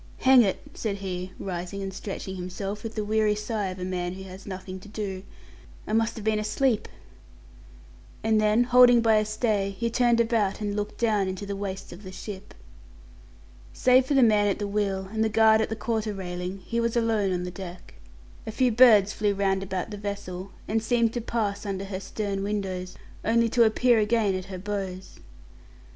"Hang it!" said he, rising and stretching himself, with the weary sigh of a man who has nothing to do, "I must have been asleep"; and then, holding by a stay, he turned about and looked down into the waist of the ship. Save for the man at the wheel and the guard at the quarter railing, he was alone on the deck. A few birds flew round about the vessel, and seemed to pass under her stern windows only to appear again at her bows.